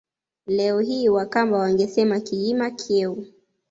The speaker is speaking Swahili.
Leo hii Wakamba wangesema Kiima Kyeu